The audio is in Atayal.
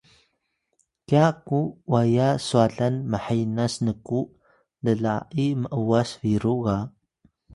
kya ku waya swalan mhenas nku lla’i m’was biru ga